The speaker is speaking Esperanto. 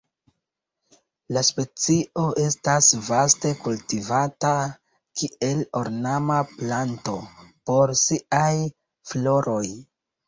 La specio estas vaste kultivata kiel ornama planto por siaj floroj.